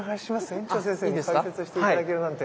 園長先生に解説して頂けるなんて。